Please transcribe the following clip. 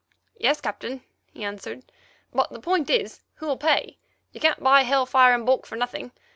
"Yes, Captain," he answered; "but the point is, who'll pay? You can't buy hell fire in bulk for nothing.